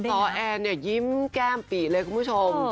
ทำเอาซอแอนยิ้มแก้มปีเลยคุณผู้ชม